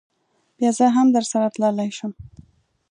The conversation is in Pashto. بیا زه هم درسره تللی شم.